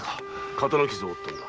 刀傷を負ったんだ。